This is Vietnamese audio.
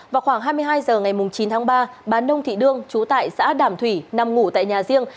vào khoảng hai mươi hai h ngày chín tháng ba bà nông thị đương chú tại xã đàm thủy nằm ngủ tại nhà riêng